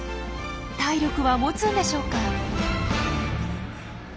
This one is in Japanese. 体力はもつんでしょうか。